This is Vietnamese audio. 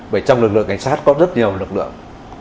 bởi trong lực lượng cảnh sát có rất nhiều lực lượng